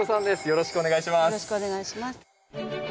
よろしくお願いします。